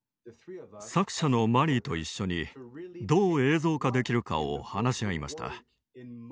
作者のマリーと一緒にどう映像化できるかを話し合いました。